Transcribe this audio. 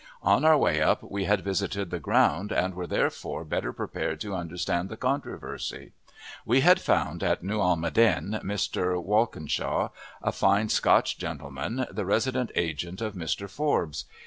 On our way up we had visited the ground, and were therefore better prepared to understand the controversy. We had found at New Almaden Mr. Walkinshaw, a fine Scotch gentleman, the resident agent of Mr. Forbes.